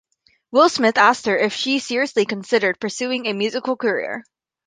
Will Smith asked her if she seriously considered pursuing a musical career.